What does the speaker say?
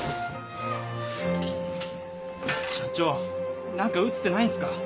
社長何か打つ手ないんすか？